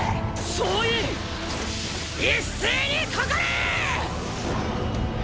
総員一斉にかかれ！！